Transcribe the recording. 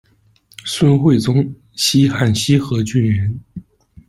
孙会宗，西汉西河郡人。